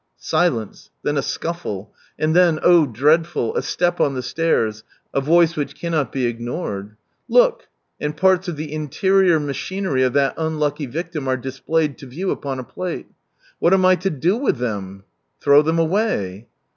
Silence, then a scufHe, and tlien, oh dreadful ! a step on the stairs, a voice which cannot be ignored. " Look 1 "— and parts of the interior machinery of that unlucky victim are displayed to view upon a |jlate. "What am I to do with them?" "Throwthem away